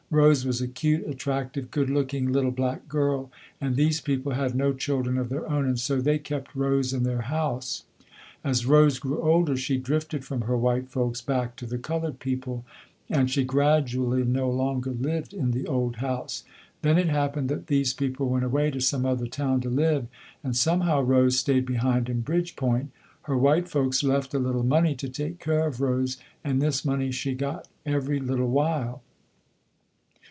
Rose was a cute, attractive, good looking little black girl and these people had no children of their own and so they kept Rose in their house. As Rose grew older she drifted from her white folks back to the colored people, and she gradually no longer lived in the old house. Then it happened that these people went away to some other town to live, and somehow Rose stayed behind in Bridgepoint. Her white folks left a little money to take care of Rose, and this money she got every little while.